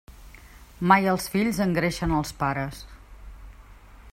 Mai els fills engreixen als pares.